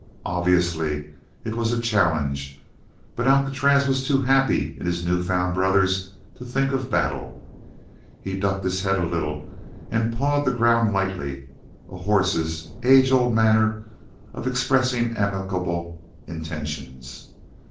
Obviously it was a challenge, but Alcatraz was too happy in his new found brothers to think of battle. He ducked his head a little and pawed the ground lightly, a horse's age old manner of expressing amicable intentions.